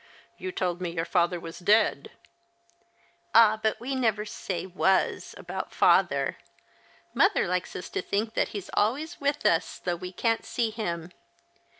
" You told me your father was dead." " Ah, but we never say ivas about father. Mother likes us to think that he's always with us, though we can't see him.